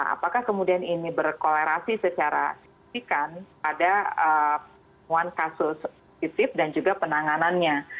apakah kemudian ini berkolerasi secara spesif kan ada kasus spesif dan juga penanganannya